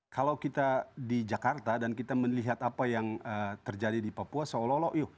kalau kita di jakarta dan kita melihat apa yang terjadi di papua seolah olah yuk